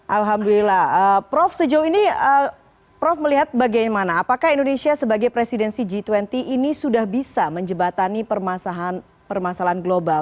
alhamdulillah prof sejauh ini prof melihat bagaimana apakah indonesia sebagai presidensi g dua puluh ini sudah bisa menjebatani permasalahan global